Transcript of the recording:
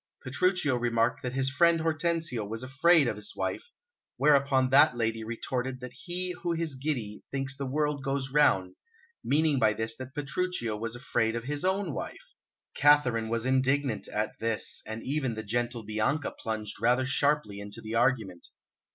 Petruchio remarked that his friend Hortensio was afraid of his wife, whereupon that lady retorted that he who is giddy thinks the world goes round, meaning by this that Petruchio was afraid of his own wife. Katharine was indignant at this, and even the gentle Bianca plunged rather sharply into the argument.